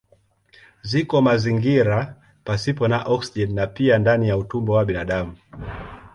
Ziko mazingira pasipo na oksijeni na pia ndani ya utumbo wa binadamu.